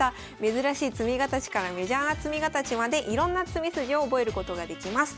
珍しい詰み形からメジャーな詰み形までいろんな詰み筋を覚えることができます。